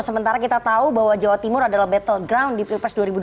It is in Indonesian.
sementara kita tahu bahwa jawa timur adalah battle ground di pilpres dua ribu dua puluh